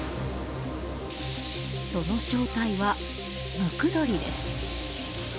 その正体は、ムクドリです。